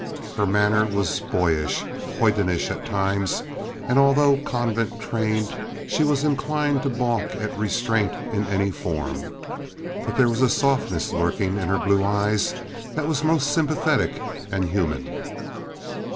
Her manner was boyish, hoydenish at times, and although convent trained, she was inclined to balk at restraint in any form. But there was a softness lurking in her blue eyes that was most sympathetic and human.